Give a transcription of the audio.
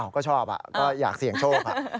ก็ชอบก็อยากเสี่ยงโชค